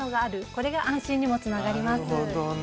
これが安心にもつながります。